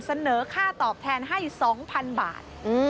เสนอค่าตอบแทนให้๒๐๐๐บาท